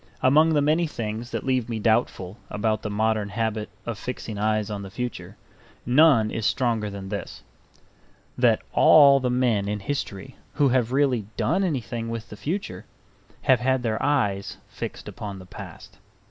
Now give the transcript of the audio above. Among the many things that leave me doubtful about the modern habit of fixing eyes on the future, none is stronger than this: that all the men in history who have really done anything with the future have had their eyes fixed upon the past.